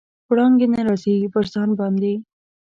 وړانګې نه راځي، پر ځان باندې